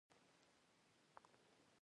درېم رحيم وردګ دی.